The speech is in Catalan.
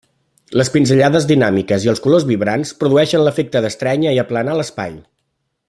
Les pinzellades dinàmiques i els colors vibrants produeixen l'efecte d'estrènyer i aplanar l'espai.